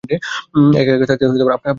এক-একা থাকতে আপনার খারাপ লাগে না?